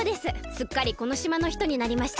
すっかりこのしまのひとになりました。